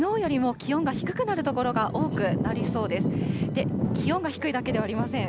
気温が低いだけではありません。